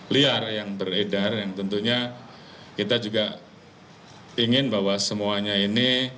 liar yang beredar yang tentunya kita juga ingin bahwa semuanya ini